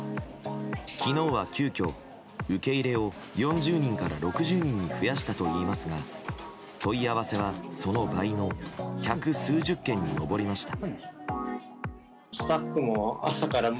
昨日は急きょ、受け入れを４０人から６０人に増やしたといいますが問い合わせはその倍の百数十件に上りました。